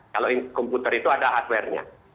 kalau komputer itu ada hardware nya